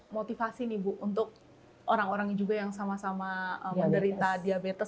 motivasi nih bu untuk orang orang juga yang sama sama menderita diabetes